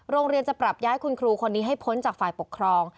จะปรับย้ายคุณครูคนนี้ให้พ้นจากฝ่ายปกครอง